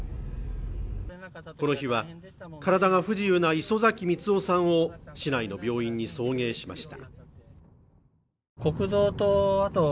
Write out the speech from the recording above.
この日は体が不自由な磯崎光男さんを市内の病院に送迎しました